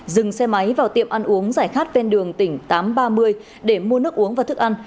dừng xe máy vào tiệm ăn uống giải khát ven đường tỉnh tám trăm ba mươi để mua nước uống và thức ăn